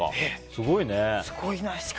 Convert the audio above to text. すごいね。